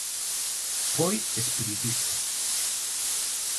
Foi espiritista.